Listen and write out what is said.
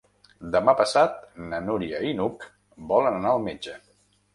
Demà passat na Núria i n'Hug volen anar al metge.